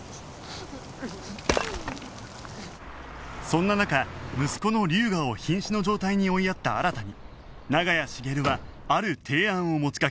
そんな中息子の龍河を瀕死の状態に追いやった新に長屋茂はある提案を持ちかける